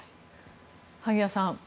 萩谷さん